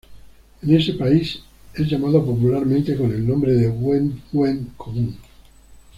En ese país es llamado popularmente con el nombre de hued-hued común.